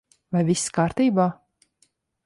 Vai viss kārtībā?